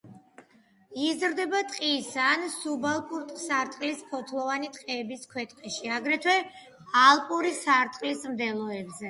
იზრდება ტყის ან სუბალპურ სარტყლის ფოთლოვანი ტყეების ქვეტყეში, აგრეთვე ალპური სარტყლის მდელოებზე.